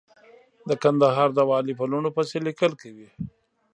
د کندهار د والي په لوڼو پسې ليکل کوي.